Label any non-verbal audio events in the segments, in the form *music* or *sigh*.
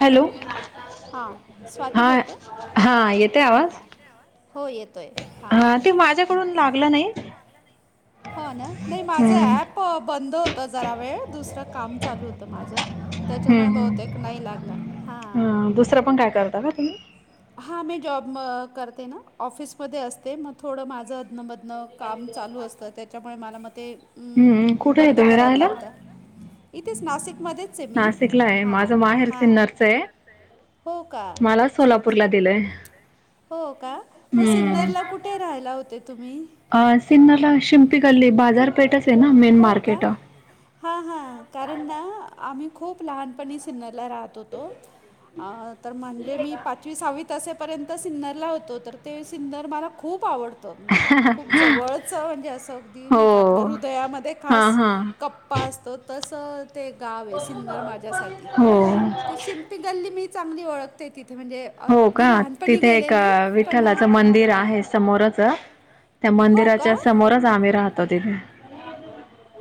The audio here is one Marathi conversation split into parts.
हॅलो, हां स्वाती हा. बोलते हां हा, येतेय आवाज? हो येतोय हां हा, ते माझ्याकडून लागलं नाही. हो ना, नाही, माझं हम्म ऍप बंद होतं जरा वेळ, दुसरं काम चालू होतं माझं. त्याच्यामुळे हम्म बहुतेक नाही लागला. हा. दुसरं पण काय करता का? आणि *unintelligible* हा मी जॉब म करते न. ऑफिसमध्ये असते म थोडं माझं अधनं-मधनं काम चालू असतं, त्याच्यामुळे मला म ते, हम्म अं कुठे आहे बंद तुम्ही करायल राहायला लागतं. इथेचं नासिकमध्ये च ये मी. नाशिकला आहे हा माझं माहेर हा, सिन्नरचं आहे हो का? मला अच्छा सोलापूरला दिलंय हो का? म हम्म सिन्नरला कुठे राहायला होते तुम्ही? अ सिन्नरला शिंपी गल्ली, बाजारपेठचये न, मेन मार्केट हा हा, कारन ना, आम्ही खूप लहानपणी अ सिन्नरला राहात होतो अ तर म्हंजे मी पाचवी-सावीत त असे पर्यंत सिन्नरला होतो. तर ते सिन्नर, मला खूप आवडतो माझं खूप जवळच, म्हणजे असं अगदी नाही का, आपल हो हृदयामध्ये हा खास हा कप प्पा असतो तस ते गावये सिन्नर माज्यासाठी. हो ते शिंप.... पी गल्ली मी चांगली ओळखते तिथे म्हंजे हो का? तिथे एक पण अ, विठ्ठलाचं मंदिर आहे, समोरच त्या हो का? मंदिराच्या समोरच, आम्ही राहतो तिथे.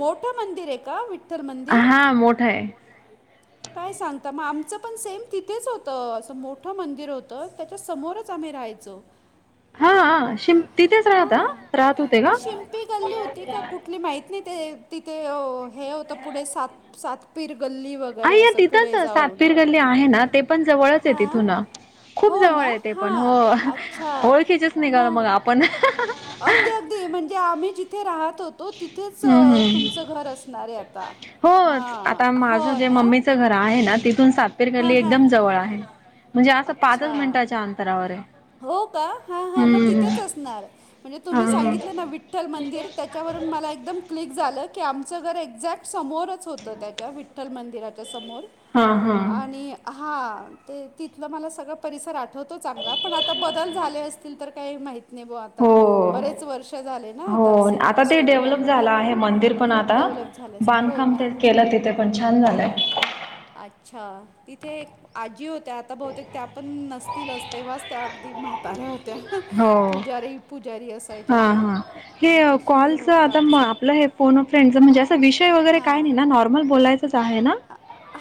मोठं मंदिरये का? विठ्ठल मंदिर? हा मोठा आहे काय सांगता, म आमचं पण सेम तिथेच होतं, असं मोठं मंदिर होतं, त्याच्या समोरच आम्ही राहायचो. *inaudible* हा हा, शिंप... तिथेच राहता? हां राहत होते का? तली माहित नाही, ते तिथे अ हे होतं पुढे सात सातपीर गल्ली वगैर अय्या! ! तिथंच सातपीर गल्ली आहे ना, ते पण जवळचये हां तिथूनं. खूप हो जवळ ना आहे ते पण, हो, हां अच्छा ओळखीचेच निघालो मग आपण. अहहह अगदी अगदी, म्हणजे आम्ही जिथे राहत होतो तिथे हम्म सो तुमचं घर असनारये आता. होच, आता हां हो माझं जे ना मम्मीचं घर आहे ना, तिथून सातपीर हां गल्ली हां एकदम जवळ आहे. म्हंजे असं अच्छा पाचच मिनटाच्या अंतरावर ये. हो का? ह ह, म तिथेच असणार म्हणजे तुम्ही हम्म सांगितलं ना विठ्ठल मंदिर त्याच्यावरून मला एकदम क्लिक झालं, की आमचं घर एक्झॅक्ट समोरच होतं त्याच्या, विठ् विठ्ठल मंदिराच्या समोर. हा हा हा आणि हा, ते तिथला मला सगळा परिसर आठवतो चांगला, पण आता बदल झाले अस तील तर काही माहि माहिती नि बो आता. हो बरेच वर्ष झाले ना. हो आता सिन्नर ते सोडून डेव्हलप झालं आम्हाला आहे मंदिर पण खूप आता, डेव्हलप झालं असेल. हो बांधकाम ना? ते केलं तिथे पण छान झालंय. अच्छा.. तिथे एक आजी होत्या, आता बहुतेक त्या पण नसतीलच, तेव्हाच त्या अगदी म्हाताऱ्या होत्या. हो पुजारी, पुजारी असयच्या हां त्या, हां हे त्यांच्याशी कॉलचं होता आता म आमचं आपलं हे फोन अ फ्रेंड म्हणजे असा विषय वगैरे काय नाही ना नॉर्मल बोलायचंच आहे ना?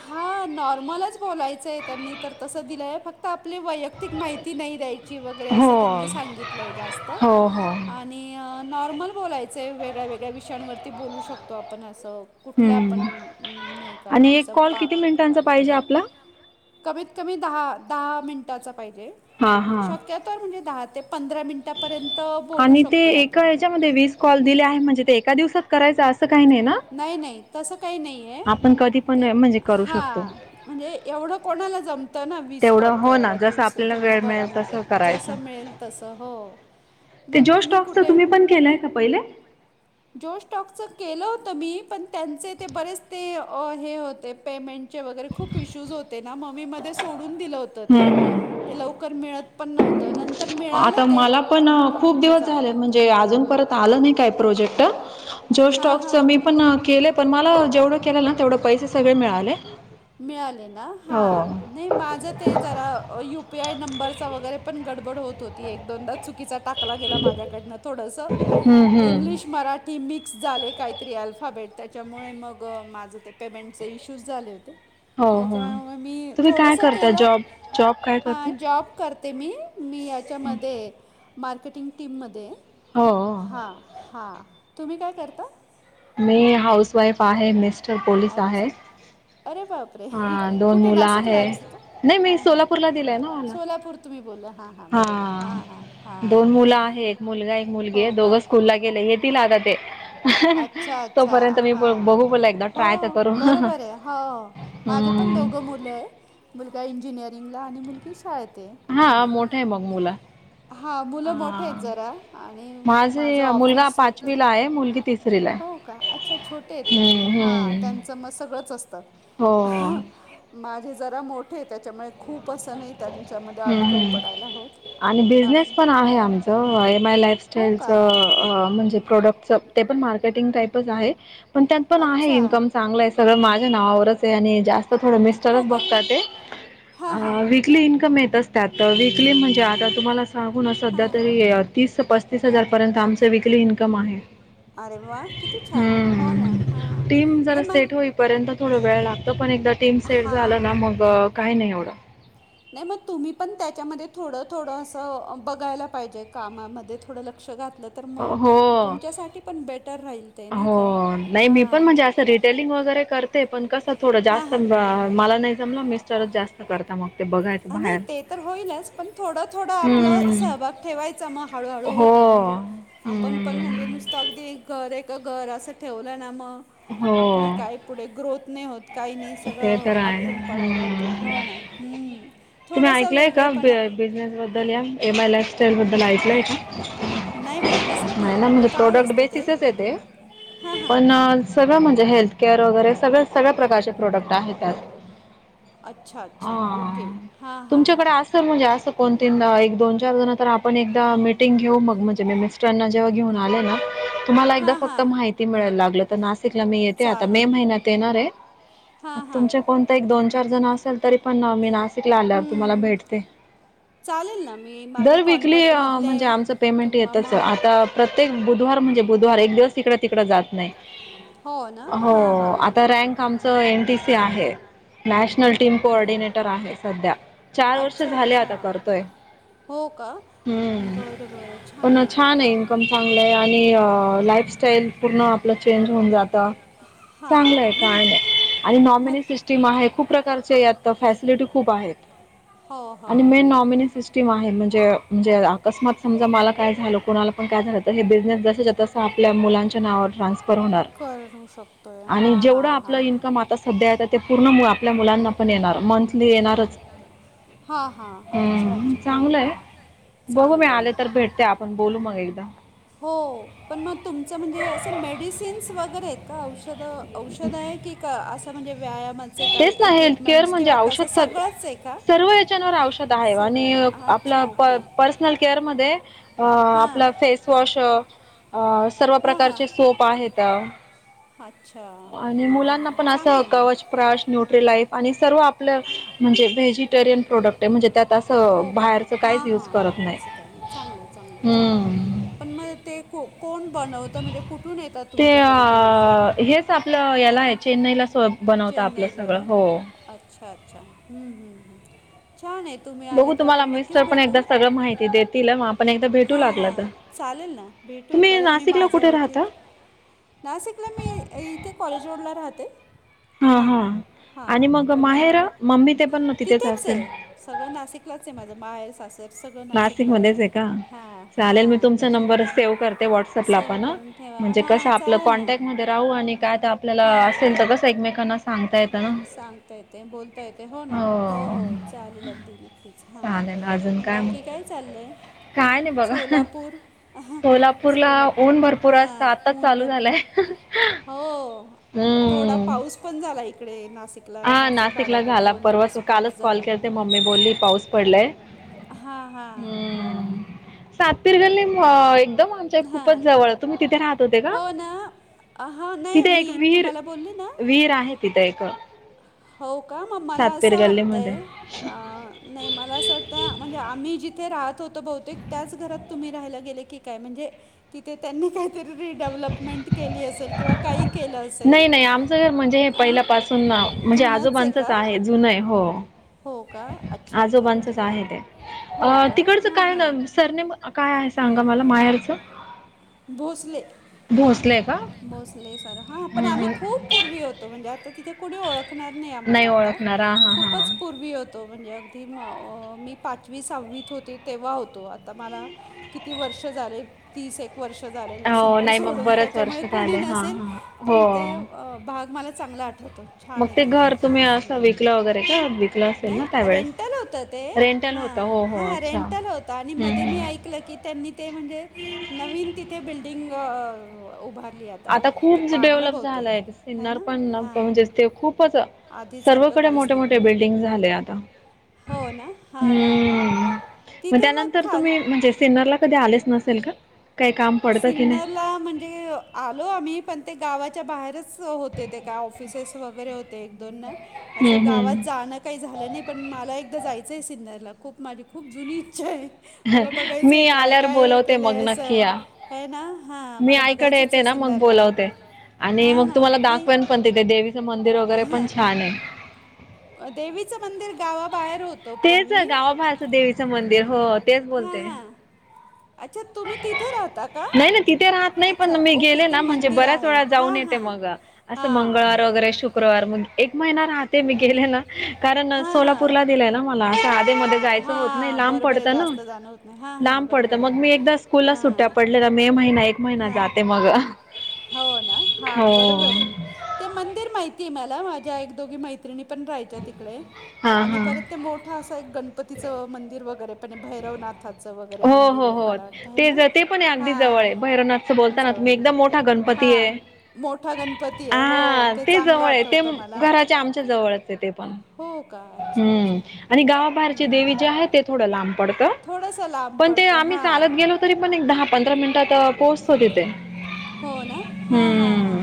हा नॉर्मलच बोलायचंय, त्यांनी तर तसं दिलंय फक्त फक्त, आपली वैयक्तिक माहिती नाही द्यायची वगैरे, हो. असं त्यांनी सांगितलंय, जास्त आ हो हो आणि, नॉर्मल बोलायचंय, वेगळ्यावेगळ्या विषयांवरती बोलू शकतो आपण, असं कुठल्या पण हम्म नाही का, आणि म्हणजे एक असं, कॉल किती पाककला मिनिटांचा पाहिजे वगैरे? आपला? कमीत कमी दहा-दहा मिनिटाचा पाहिजे, हां म्हणजे हां. शक्यतो पण, म्हणजे दहा ते पंधरा मिनिटांपर्यंत बोलू शकतोय आपण मध्ये वीस कॉल दिले आहेत, म्हणजे ते एका दिवसात करायचं असं काही नाही ना? नाही, नाही, तसं काही नाही आहे, आपण कधी पण ते म्हणजे करू हा शकतो. म्हणजे एवढं कोणाला जम त ना, वीस तेवढं कॉल हो ना करायला जसं आपल्याला वेळ मिळेल दिवसभरामध्ये, तसं करायचं. जसं मिळेल तसं, हो ते जिओ स्टॉक्सच तुम्ही पण केलंय का पहिले जिओ स्टॉकच केलं होतं मी पण त्यांचे ते बरेच ते हे होते पेमेंट चे वगैरे खूप इश्यूज होते ना, मग मी मध्ये सोडून दिलं होतं ते हम्म ते लवकर मिळत पण नव्हतं नंत आता मला पण खूप दिवस जाऊ झाले, दे आता म्हणजे अजूनपरत आलं नाही काय प्रोजेक्ट, जोश स्टॉकचं म्युच्युअल मी पण केलेत... पण मला जेवढं केलं ना, तेवढे पैसे सगळे मिळाले. मिळाले ना? हा हो. नाही माझं ते जरा यू पी आय नंबरचा वगैरे पण गडबड होत होती, एक-दोनदा चुकीचा टाकला गेला माझ्याकडून, थोडंसं हम्म हम्म इंग्लिश मराठी मिक्स झाले, काहीतरी अल्फाबेट, त्याच्यामुळे मग माझं ते पेमेंटचे इश्यूज झाले होते. हो हो त्याच्यामुळे मी तुम्ही काय थोडंसं करता केलं जॉब जॉब काय हा करताय? जॉब... करते मी, मी याच्यामध्ये मार्केटिंग टीममध्ये... हो. हा.. तुम्ही काय करता? मी हाऊसवाईफ आहे. मिस्टर पोलीस आहे. अच्छा अरे बापरे! हा दोन कुठे? मुलं आहे नाशिकलाच नाही हा मी हा ह नाय सोलापूरला मी दिलंय ना सोलापूर मला. सोलापूर तुम्ही बोला हा हा, दोन मुलं आहेत, एक मुलगा, एक मुलगी, हो दोघं का स्कूलला गेले आहेत... येतील आता ते अच्छा अच्छा तोपर्यंत मी बघू हां पला एकदा हो ट्राय तर करू बरोबर आहे हो, माझे पण दोघं मुलं आहेत, मुलगा इंजिनिअरिंगला आणि मुलगी शाळेत ये हा, मोठा आहे मग मुला हां मुलं मोठे आहेत हा जरा आणि माझं माझा मुलगा ही ऑफिस ते पाचवीला आहे मुलगी तिसरीला आहे हो का? अच्छा, छोटे आहेत म्हणजे... हम्म हा, हम्म त्यांचं मग सगळंच असतं. हो माझे जरा मोठे येत त्याच्यामुळे खूप असं नाही त्यांच्यामध्ये अटकून हम्म पडायला होतं बाकी सो हाय ए माय लाईफस्टाईलच अ म्हणजे प्रोडक्टच ते पण मार्केटिंग टाईपच आहे पण त्यात पण आहे, इन्कम चांगलं आहे, सगळं माझ्या नावावरच आहे, आणि जास्त थोडं मिस्टरच बघतात. हां अ वीकली इन्कम येत असतं त्यात वीकली म्हणजे? आता तुम्हाला सांगू ना सध्या तरी तीस ते पस्तीस हजार पर्यंत आमचं वीकली इन्कम आहे. अरे वा किती छान हो ना हा नाही मंग. पर्यंत थोड वेळ लागतं, पण एकदा टीम सेट झालं ना हां मग काही नाही एवढं. नाही म तुम्ही पण त्याच्यामध्ये थोडं थोडं असं बघायला पाहिजे, कामामध्ये थोडं लक्ष घातलं तर म हो. तुमच्यासाठी पण बेटर राहील. ते नाही हो का नाही मी पण हां म्हणजे असं रिटेलिंग वगैरे करते, पण कसं थोडं हां जास त माला नाही जमलं मिस्टरच जास्त करता मग ते बघायचं अ नाही बाहेर. ते तर होईलच पण थोडं थोडं आपल हम्म. सहभाग. ठेवायचा म हळूहळू हो. होतं म्हणजे, आपण पण म्हणजे हम्म. नुस त अगदी घर एक घर असं ठेवलं ना म आपली हो काय पुढे ग्रोथ नही होत. काही नाही ते सगळं तर आहे. आटकून पडायला होतं हम्म. हो ना! हूं तुम्ही थोडंस ऐकलंय का वेगळेपणा! बिझनेस बद्दल या, एम आय लाईफस्टाईल बद्दल ऐकलंय का? नाही बा कसलं बिझ हा ना म्हणजे काय प्रोडक्ट असतं बेसिसच आहेे ते हां हां पण सगळं म्हणजे हेल्थकेअर वगैरे सगळं सगळं प्रकारचे प्रोडक्ट आहेत त्यात. अच्छा अच्छा ओके हा. हां हां हां! दोन तीनदा, एक दोन चार जण तर आपण एकदा मिटिंग घेऊ, मग म्हणजे मी मिस्टरना जेव्हा घेऊन आले ना! तुम्हाला एकदा हां हां फक्त माहिती मिळेल लागलं त नासिकला मी येते आता, मे चालेल महिन्यात येणार हे! हां मग हां तुमचे कोणत एक दोन चार जण असेल तरी पण मी नासिकला आल्यावर तुम्हाला हम्म भेटते. चालेल ना मी माझ्या दर विकली अ कॉन्टॅक्टमधले म्हणजे आमच पेमेंट येतच आता! प्रत्येक बुधवार म्हणजे बुधवार एक दिवस इकडं तिकडं जात नाही. हो आता रँक आमचं एन टी सी आहे! नॅशनल टीम ओके कोऑर्डिनेटर आहे सध्या, चार वर्ष अच्छा झाले अच्छा आता करतोय. हो का हूं बरं बरं पनं ना छान हे! कम चांगलं आहे आणि अ लाईफस्टाईल पूर्ण आपलं चेंज होऊन जाता. हा चांगलं आहे नाही कांड! आणि नॉमिनी सिस्टीम आहे खूप प्रकारचे यात फॅसिलिटी खूप आहेत. हो हो आणि हो. मेन नॉमिनी‌ सिस टिम आहे म्हणजे म्हणजे अकस्मात समजा मला काय झालं, कुणाला पण काय झालं तर हे बिझनेस जसेच्या तसं आपल्या मुलांच्या नावावर ट्रान्स्फर होणार, होईल करू शकतोय हा आणि हा जेवढं आपलं इन्कम आता सध्या येत ते पूर्ण आपल्या मुलांना पण येणार, मंथली येणारच. हां हां अच्छा हं अच्छा हो चांगलंय का बघू मी चांगलं आहे. आले तर भेटते आप पण बोलू मग एकदा. हो पण म तुमचं म्हणजे असे मेडिसिन्स वगैरे आहेत का औषधं औषधं आहे की, का असं म्हणजे व्यायाम तेच ना हेल्थकअर म्हणजे औषध सगळंच आहे का? स-सर्व ह्याच्यांनवर औषध सगळं आहे सगळं आणि आप अच्छा, लं ओके. प-पर्सनल केअरमध्ये‌ अ आपला फेसवॉश अ सर्व हां, हां. प्रकारचे सोप आहेत. अच्छा! आणि हां हां मुलांना हां पण असं चांगलं ना. कवच प्राश न्यूट्रीलाईफ आणि सर्व आप पलं म्हणजे व्हेजिटेरियन प्रोडक्ट आहे, म्हणजे त्यात असं बाहेरचं काहीच युज करत नाही चांगलंय चांगलंय छान हे, हम्म पण म ते को-कोण! ते अ ते औषधं? हेच अं, आपलं याला आहे, चेन्नईला स्व सर्व बनवता आपलं चेन्नईला बनवतात आहे सगळं‌ हे हो! सगळं. अच्छा अच्छा हूं हूं हूं! छान आहे, तुम्ही आलं बघू तर तुम्हाला आपण नक्कीच मिस्टर पण भेटू, *inaudible* एकदा तुम्हाला पण माहिती सगळं देतील मग आपण एकदा *inaudible* भेटू हा लागला हा. तर चालेल ना, भेटू, *inaudible* कुठं तुम्ही राहता? परत मी नाशिकला माझ्या कुठे राहता ओळखीत नासिकला मी इथे, कॉलेज रोडला राहते. हा हा, आणि *inaudible* मग त्याच्यामुळे माहेर मग बाहेरच, मम्मी ते पण तिथेच असेल तिथेचय. सगळं नासिकलाचय माझं. माहेर सास त सगळं नासिकलाय. नाशिकमध्येच आहे का हा चालेल मी हा. *inaudible* तुमचा त्यांचा नंबर, त्याच्यामुळे सेव्ह करते व्हॉट्सअपला सेव पण हं करून ठेवा, म्हणजे हा कसं आपलं चालेल ना, *inaudible* कॉन्टॅक्टमध्ये राहू आणि काय तर कॉन्टॅक्ट आपल्याला हां, आ *inaudible* कसं असेल तर कसंय एकमेकांना सांगता येतं ना? सांगता येतंय, बोलता येतंय, हो ना, हो हो, चालेल अगदी नक् कीच, हा, चालेल अजून मग बाकी काय चाललंय? काय नाही बघा सोलापूर अहां. सोलापूरला सोलापूर ऊन भरपूर हा असतं *inaudible* आताच ऊन चालू भरपूर, झालंय हो. थोडा हम्म पाऊस पण झाला इकडे नासिक पला हा नासिक नाशिकला भागाकडे झाला दोन परवाच दिवस पाऊस कालच कॉल झाला *inaudible* केलते मम्मी कडे बोलली पाऊस पडलाय. हा हा हाआ. सातपिर गल्लीम अ एकदम आमच्या खूपच हां जवळ, तुम्ही तिथे रहात होते का? हो ना हां नाही तिथे एक मी वीहिर, तुम्हाला बोलली ना वीहिर आहे तिथे एकं. हो का, मग मला असं वाटतंय, गल्लीमध्ये अअ नाही मला असं वाटतंय, म्हणजे आम्ही जिथे राहत होतो बहुतेक, त्याच घरात तुम्ही राहायला गेले की काय, म्हणजे तिथे त्यांनी काहीहतरीह्ह रिडेव्हलपमेंट केली असेल, किंवा काही केलं असेल. नाही नाही. म्तर हणजे हे पहिल्या पाासून म्हणजे आजोबांचंच आहे जुनय, हो, हो का? अच्छा अच्छा. आजोबांचंच आहे ते. हो अ का? तिकडचं हां काय हां. नम, सरनेम काय आहे सांगा मला माएरचं? भोसले. भोसले? का बसले सर, हा, पण हम्म आम्ही हम्म खूप पुर्वी होतो, म्हणजे आता तिथे कुणीे ओळख णार नाही आमाला आता, *inaudible* नाई हा ओळखणार. हा खूपच हा पूर्वी होतो म्हणजे, अगदी म मी पाचवी सहावीत होते तेव्हा होतो, आता मला किती वर्ष झाले, तीस एक वर्ष झालेलेय हो सिन्नर नाही मग सोडून ह्ह त्याच बरेच वर्ष च्यामुळे कुणी झाले हा नसेल, हा हो पण ते भाग मला चांगला आठवतं. मग छानये ते घर तिथे तुम्ही *inaudible* असं सिन्नर, विकलं वगैरे का विकलं असेल ना नाही त्यावेेळेस रेंटल होतं ते रेंटल हा होतं हो हो हा, अच्छा रेंटल होतं आणि हम्म मधे मी हम्म ऐकलं की त्यांनी ते म्हणजे, नवीन तिथे बिल्डिंगअ अ उभारलीय आत आता खूप ज डेव्हलप झालंय, है सिन्नर ना पण, हां म्हणजेच ते म्हणजे खूपच खूप आता आधीसारखं सर्वकडे काहीच मोठे नाही मोठे डेव्हलप राहिलं झालं बिल्डिंग झाले आता. म्हणजे *inaudible* हो ना हां हां हां हंम्म, म तिथे खूप मग त्यानंतर खाली तुम्ही बघण्यासारखं म्हणजे सिन्नरला कधी आलेच नस तेलका? सिन्नर ला म्हणजे अ आलो आम्ही, पण ते गावाच्या बाहेरच होते, ते काय ऑफिसेस वगेरे होते एक दोनना. असं हम्म गावात हम्म जाणं कायी झालं नाही, पण मला एकदा जायचंय आहे सिन्नरला, खूप माझी खूप जुनी इच्छाय. अह्ह ह्हअ, मला बघायचंय, मी काय आल्यावर काय हे बोलवते मग केलंय नक्की असं. या, होय ना? हा मी मला आईकडे येते बघायचंचय ना सिन्नरला. *inaudible* मग बोलवते बोलावते. आणि हा मग हा, तुम्हाला नाई. *inaudible* दाखवेन तुम्हाला दाखवेल तिथे पण ते देवीचं मंदिर *inaudible* वगैरे छानय. पण हं. छान आहे अ देवीचं मंदिर गावाबाहेर होत तेचं, गावाभाहेचं देवीचं मंदिर, हो तेच हां बोलते मी. हां अच्छा तुम्ही तिथे राहता का नाही ना, तिथे राहत नाही, पण अच्छा मी ओके गेले ते ना म्हणजे मंदिर बऱ्याच आहे वेळा जाऊन हां येते हां मग. असं हां मंगळवार वगैरे शुक्रवार मग, एक महिना राहते मी गेले ना, कारण हां हां सोलापूरला दिलंय ना मला, आता आधी मध्ये हां जायचं होत नाही हां लांब बरोबर आहे पडतं ना. जास्त जाणं होत नाही हां हां लांब पडत बरोबर मग आहे मी एकदा स्कूल सुट्ट्या हां पडलेला मे महिना एक महिना हां जाते मग. हो ना हा हो बरोबर आहे. ते मंदिर माहितीय आहे मला, माझ्या एक दोघी मैत्रिणी पण राहायच्या तिकडे हा आणि हा परत ते मोठ *inaudible* असा एक गणपतीच मंदिर वैगेरे पण भैरवनाथात हो हो हो ते ज ते पण आहे अगदी जवळ आहे, हां भैरवनाथचं बोलताना तुम्ही जवळ एकदम मोठा हा गणपती आहे. मोठा गणपती आहे हो हा ते चांगलं जवळ आहे, ते आठवतं मला घराच्या आमच्या जवळच आहे ते पण. हो का अच्छा हम्म अच्छा आणि गावाबाहेरचे देवी जे आहे ते थोडं लांब पडतं. थोडासा लांब. पण ते पडतं आम्ही हां चालत गेलो तरी पण एक दहा पंधरा मिनिटात पोहोचतो तिथे, हम्म. हा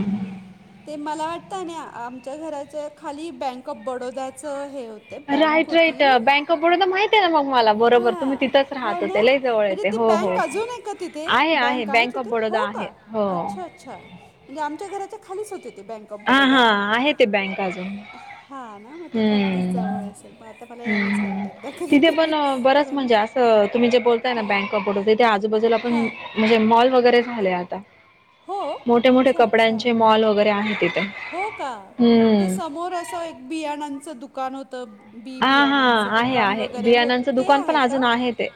ते मला वाटतं ना आमच्या घराच्या खाली बँक ऑफ बडोदा हे होत बँक राईट राईट होती, बँक ऑफ बडोदा माहित आहे ना मग मला बरोबर तुम्ही हा. तिथंच हो राहत ना होते लय जवळ येते म्हणजे हो हो. बँक हो. अजून आहे तिथे? आहे बँक आहे ऑफ तिथे, बडोदा हो आहे का हो अच्छा अच्छा, म्हणजे आमच्या घराच्या खालीच होते ते बँक. ऑफ हा हा आहे ते बँका अजून. हा ना मग तिथे अगदीच हम्म जवळ हम्म. असेल मग आता मला यायलाच हम्म. लागेल एकदा तिथे कधीतरी पण अ, बरंच कारण म्हणजे तुम्ही जे बोलताय ना हां बँक ऑफ बडोदा, आजूबाजूला पण हां म्हणजे मॉल वगैरे झालेय आता. हो मोठे मोठे अच्छा अच्छा, कपड्यांचे मॉल वगैरे आहे तिथे हो का ते हम्म समोर अस, बियाणांचं दुकान होतं. बी हा हा बियाण्यांचं आहे दुकान आहे वगैरे होत बियाणांचं ते दुकान पण आहे का? अजून ते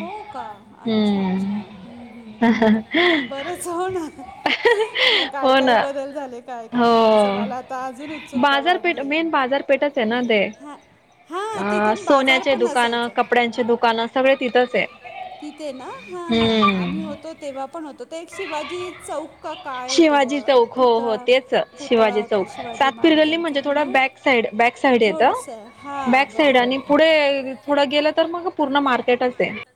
हो का, अच्छा अच्छा हम्म ह ह बरच हो ना, आता काय हो काय ना बदल झाले काय काय हो नाही असं मला आता अजून उत्सुकता बाजारपेठ, वाढली आहे. मेन बाजारपेठच आहे ना ते. हां हां अ तिथून बाजार सोन्याचे पण दुकानं, असायचा. कपड्यांची दुकानं, सगळे तिथंच आहे. तिथे ना हा हा, आम्ही हम्म होतो तेव्हा पण होतो ते, एक शिवाजी चौक का काय होतं शिवाजी बुवा चौक एक हो हो पुतळा तेच पुतळा शिवाजी होता चौक शिवाजी सातपीर गल्ली महाराजांचा म्हणजे आहे थोडा ना बॅक साईड बॅक साईड येत, थोडंसं बॅक हां साईड बरोबर आणि आहे. पुढे पुढं गेलं तर मग मार्केटच हाय.